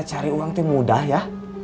cari uang itu mudah ya